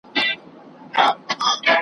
ستا پر تور تندي لیکلي کرښي وايي .